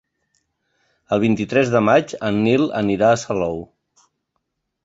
El vint-i-tres de maig en Nil anirà a Salou.